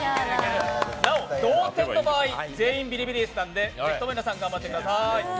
なお、同点の場合全員ビリビリ椅子なので是非とも皆さん頑張ってください。